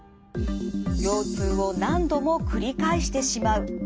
腰痛を何度も繰り返してしまう。